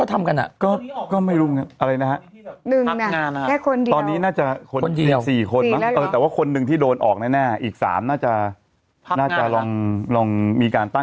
ทำเป็นประจำถูกต้องเลยล่ะเป็นเรื่องปกติที่เขาทำกัน